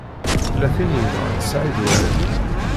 Tella tin i yenɣan Saɛid Waɛli.